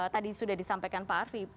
tadi sudah disampaikan pak arfi